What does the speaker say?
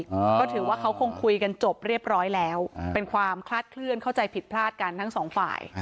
ก็ถือว่าเขาคงคุยกันจบเรียบร้อยแล้วอ่าเป็นความคลาดเคลื่อนเข้าใจผิดพลาดกันทั้งสองฝ่าย